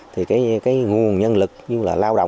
thì cái nguồn nhân lực như là lao động